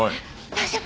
大丈夫？